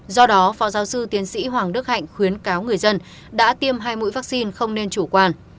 do đó phó giáo sư tiến sĩ hoàng đức hạnh khuyến cáo người dân đã tiêm hai mũi vaccine không nên chủ quan